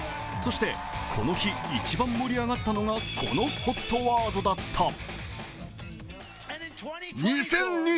そして、この日一番盛り上がったのが、このＨＯＴワードだった。